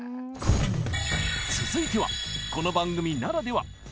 続いてはこの番組ならでは！